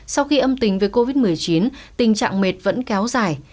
sau khi âm tính với covid một mươi chín tình trạng mệt vẫn kéo dài